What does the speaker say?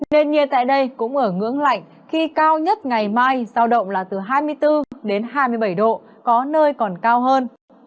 nền nhiệt tại đây cũng ở ngưỡng lạnh khi cao nhất ngày mai giao động là từ hai mươi bốn đến hai mươi bảy độ có nơi còn cao hơn